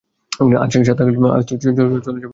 আজ সাত টাকা আছে, আজ তো চলে যাক, কালের ভাবনা কাল ভাবব।